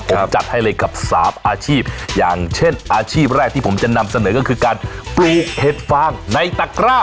ผมจัดให้เลยกับสามอาชีพอย่างเช่นอาชีพแรกที่ผมจะนำเสนอก็คือการปลูกเห็ดฟางในตะกร้า